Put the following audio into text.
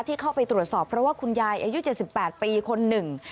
เข้าไปตรวจสอบเพราะว่าคุณยายอายุ๗๘ปีคนหนึ่ง